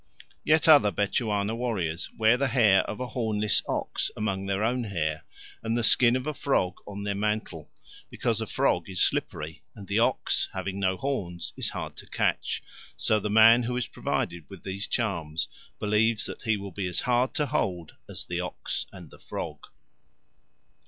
Yet other Bechuana warriors wear the hair of a hornless ox among their own hair, and the skin of a frog on their mantle, because a frog is slippery, and the ox, having no horns, is hard to catch; so the man who is provided with these charms believes that he will be as hard to hold as the ox and the frog.